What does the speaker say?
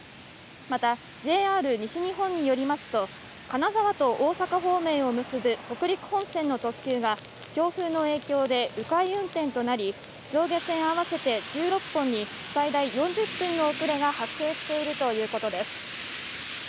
またＪＲ西日本によりますと、金沢と大阪方面を結ぶ北陸本線の特急が、強風の影響でう回運転となり、上下線合わせて１６本に最大４０分の遅れが発生しているということです。